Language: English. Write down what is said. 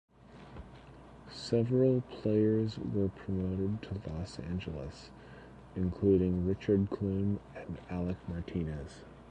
Several players were promoted to Los Angeles, including Richard Clune and Alec Martinez.